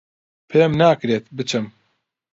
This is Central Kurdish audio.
پێم ناکرێت بچم